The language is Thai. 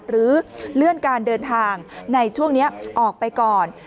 หรือเลื่อนการเดินทางในช่วงนี้ออกไปก่อน